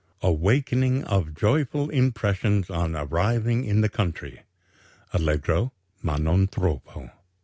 AWAKENING OF JOYFUL IMPRESSIONS ON ARRIVING IN THE COUNTRY (Allegro ma non troppo) 2.